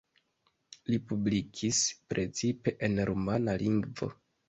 Li publikis precipe en rumana lingvo.